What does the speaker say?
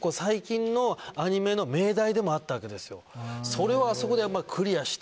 それをあそこでクリアしている。